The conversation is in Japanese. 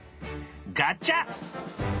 ガチャ！